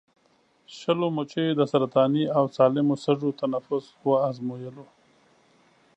شلو مچیو د سرطاني او سالمو سږو تنفس وازمویلو.